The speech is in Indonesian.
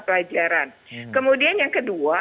pelajaran kemudian yang kedua